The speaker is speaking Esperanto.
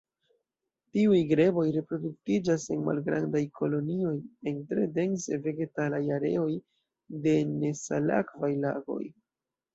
Tiuj greboj reproduktiĝas en malgrandaj kolonioj en tre dense vegetalaj areoj de nesalakvaj lagoj.